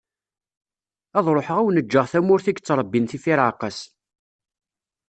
Ad ruḥeγ ad awen-ğğeγ tamurt i yettrebbin tifireԑqas.